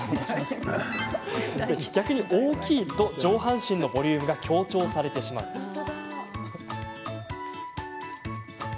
逆に大きいと上半身のボリュームが強調されてしまうんです。